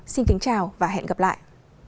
xin kính chào và hẹn gặp lại